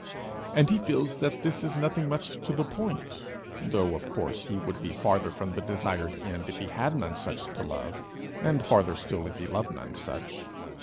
And he feels that this is nothing much to the point; though, of course, he would be farther from the desired end if he had none such to love, and farther still if he loved none such.